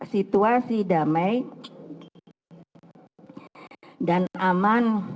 situasi damai dan aman